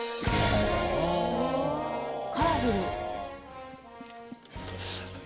カラフル。